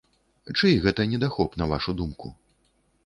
Чый гэта недахоп, на вашу думку?